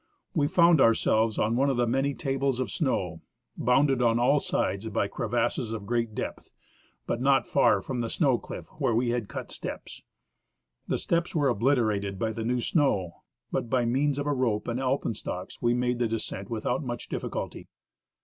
We found ourselves on one of the many tables of snow, bounded on all sides by crevasses of great depth, but not far from the snow cliff where we had cut steps. The steps were obliterated by the new snow, but by means of a rope and alpenstocks we made the descent without much difficulty.